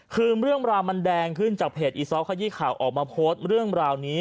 คือเรื่องราวมันแดงขึ้นจากเพจอีซอสขยี้ข่าวออกมาโพสต์เรื่องราวนี้